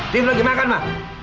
tim lagi makan ma